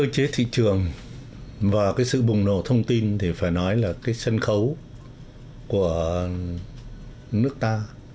cái cơ chế thị trường và cái sự bùng nổ thông tin thì phải nói là cái sân khấu của nước ta